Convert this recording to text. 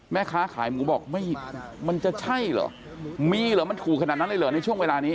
แม่ค้าขายหมูบอกไม่มันจะใช่เหรอมีเหรอมันถูกขนาดนั้นเลยเหรอในช่วงเวลานี้